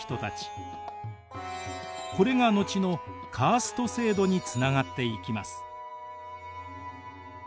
これが後のカースト制度につながっていきます。